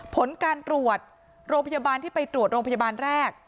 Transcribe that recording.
ผลการตรวจโรงพยาบาลที่ไปตรวจโรงพยาบาลแรก